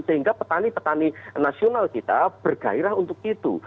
sehingga petani petani nasional kita bergairah untuk itu